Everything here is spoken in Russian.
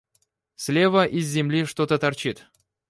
Слева из земли что-то торчит.